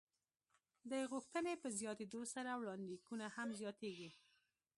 د غوښتنې په زیاتېدو سره وړاندېکونه هم زیاتېږي.